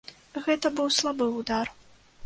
Гэта быў слабы ўдар.